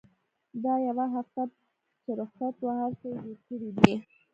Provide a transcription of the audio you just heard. دا يوه هفته چې رخصت وه هرڅه يې هېر کړي دي.